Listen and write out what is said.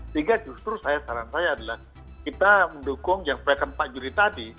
sehingga justru saya saran saya adalah kita mendukung yang perhatikan pak yuri tadi